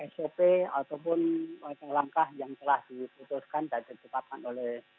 sop ataupun langkah langkah yang telah diputuskan dan ditetapkan oleh